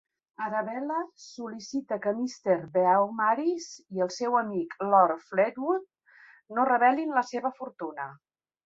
Arabella sol·licita que Mr. Beaumaris i el seu amic, Lord Fleetwood no revelin la seva fortuna.